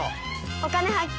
「お金発見」。